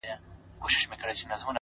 o که ژوند راکوې؛